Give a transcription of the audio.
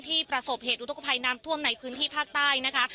ประสบเหตุอุทธกภัยน้ำท่วมในพื้นที่ภาคใต้นะคะ